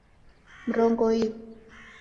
Mrongo iw'i